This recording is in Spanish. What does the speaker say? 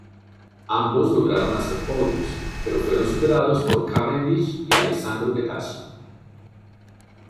Ambos lograron hacer podios, pero fueron superados por Cavendish y Alessandro Petacchi.